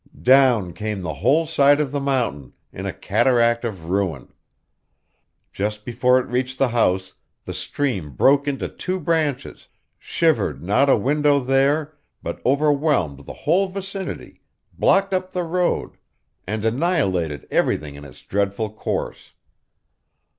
Down came the whole side of the mountain, in a cataract of ruin. Just before it reached the house, the stream broke into two branches shivered not a window there, but overwhelmed the whole vicinity, blocked up the road, and annihilated everything in its dreadful course.